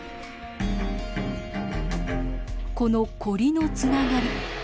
このコリのつながり